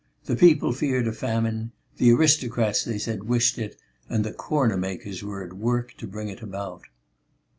The people feared a famine; the aristocrats, they said, wished it, and the "corner" makers were at work to bring it about.